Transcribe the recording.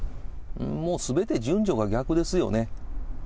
もうすべて順序が逆ですよね。